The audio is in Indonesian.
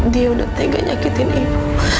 dia udah tega nyakitin ibu